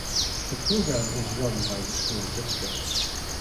The program is run by the school district.